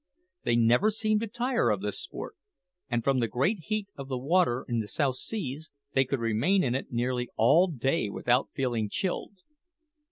They never seemed to tire of this sport, and from the great heat of the water in the South Seas, they could remain in it nearly all day without feeling chilled.